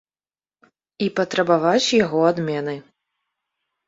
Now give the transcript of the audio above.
І патрабаваць яго адмены.